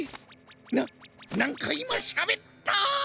ななんかいましゃべった？